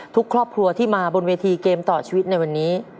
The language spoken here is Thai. ทุกครอบครัวที่มาบนเวทีเกมต่อชีวิตในวันนี้